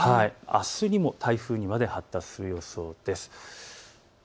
あすにも台風にまで発達する予想です。